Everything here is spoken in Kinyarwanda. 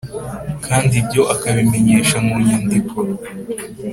Kandi Ibyo Akabimenyesha Mu Nyandiko